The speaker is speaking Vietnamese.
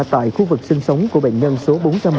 tại khu vực sinh sống của bệnh nhân số bốn trăm một mươi